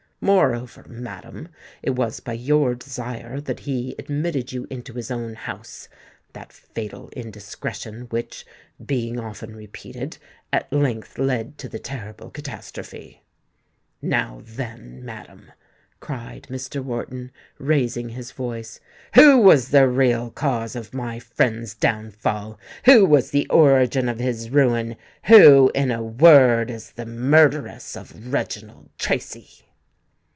Moreover, madam, it was by your desire that he admitted you into his own house—that fatal indiscretion which, being often repeated, at length led to the terrible catastrophe. Now, then, madam," cried Mr. Wharton, raising his voice, "who was the real cause of my friend's downfall? who was the origin of his ruin? who, in a word, is the murderess of Reginald Tracy?"